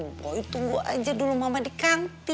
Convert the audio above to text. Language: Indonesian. mendingan si boy tunggu aja dulu mama di kantin